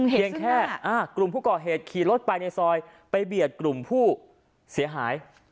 เพียงแค่กลุ่มผู้ก่อเหตุขี่รถไปในซอยไปเบียดกลุ่มผู้เสียหาย